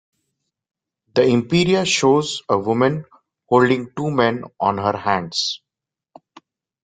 The Imperia shows a woman holding two men on her hands.